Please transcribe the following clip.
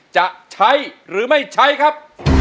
จะใช้หรือไม่ใช้ครับ